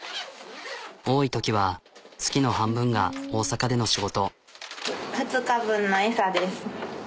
多いときは月の半分が大阪での仕事。